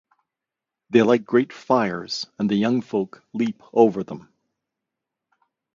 They light great fires and the young folk leap over them.